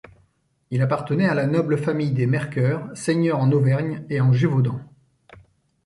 Il appartenait à la noble famille des Mercœur, seigneurs en Auvergne et en Gévaudan.